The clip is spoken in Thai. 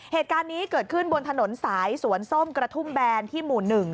เหตุการณ์นี้เกิดขึ้นบนถนนสายสวนส้มกระทุ่มแบนที่หมู่๑